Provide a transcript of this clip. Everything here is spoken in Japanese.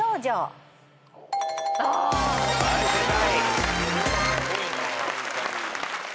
はい正解。